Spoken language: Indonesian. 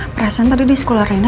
perasaan tadi di sekolah rena